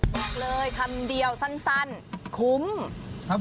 บอกเลยคำเดียวสั้นคุ้มครับผม